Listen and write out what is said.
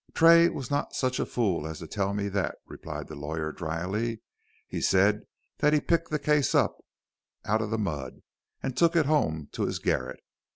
"Tray was not such a fool as to tell me that," replied the lawyer, dryly; "he said that he picked the case up out of the mud, and took it home to his garret.